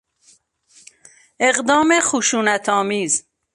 اقدام خشونت آمیز